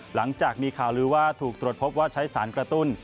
หลังจากมีข่าวลือว่าถูกตรวจพบว่าใช้สารกระตุ้น